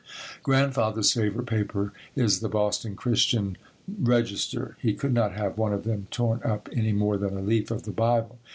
Grandfather's favorite paper is the Boston Christian Register. He could not have one of them torn up any more than a leaf of the Bible.